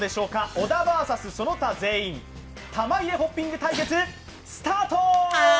小田ＶＳその他全員、玉入れホッピング対決スタート。